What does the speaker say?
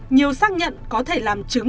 nhiều xác nhận có thể làm chứng